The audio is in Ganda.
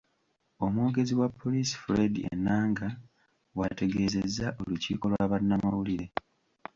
Omwogezi wa ppoliisi Fred Enanga bwategeezezza olukiiko lwa bannamawulire